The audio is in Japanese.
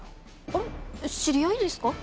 あれ知り合いですか？